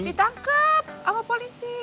ditangkep sama polisi